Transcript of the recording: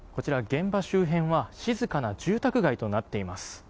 現場周辺は静かな住宅街となっています。